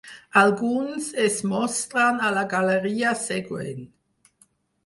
Alguns es mostren a la galeria següent.